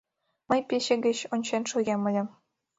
Мый пече гоч ончен шогем ыле...